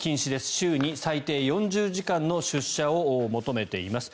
週に最低４０時間の出社を求めています。